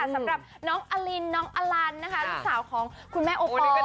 สำหรับน้องอลินน้องอลันนะคะลูกสาวของคุณแม่โอปอล